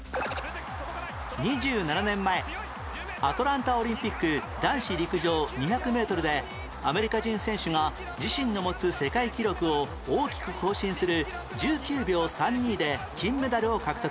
２７年前アトランタオリンピック男子陸上２００メートルでアメリカ人選手が自身の持つ世界記録を大きく更新する１９秒３２で金メダルを獲得